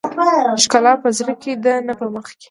ښکلا په زړه کې ده نه په مخ کې .